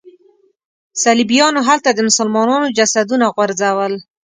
صلیبیانو هلته د مسلمانانو جسدونه غورځول.